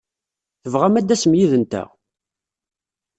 Tebɣam ad d-tasem yid-nteɣ?